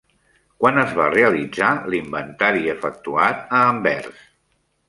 Quan es va realitzar l'inventari efectuat a Anvers?